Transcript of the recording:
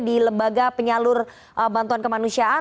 di lembaga penyalur bantuan kemanusiaan